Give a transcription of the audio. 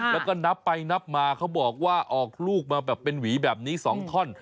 แล้วก็นับไปนับมาเขาบอกว่าออกลูกมาแบบเป็นหวีแบบนี้๒ท่อน